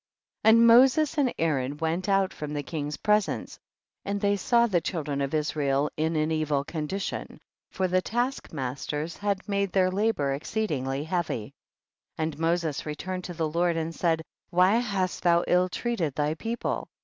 53. And Moses and Aaron went out from the king's presence, and they saw the children of Israel in an evil condition for the task masters had made their labor exceedingly heavy. 54. And Moses returned to the Lord and said, why hast thou ill treat ed thy people